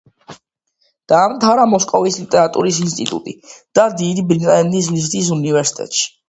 დაამთავრა მოსკოვის ლიტერატურის ინსტიტუტი და დიდი ბრიტანეთის ლიდსის უნივერსიტეტი.